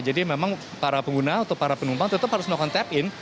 jadi memang para pengguna atau para penumpang tetap harus melakukan tap in